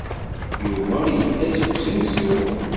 Yuba yedda seg usensu.